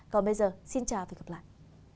còn bây giờ xin chào và hẹn gặp lại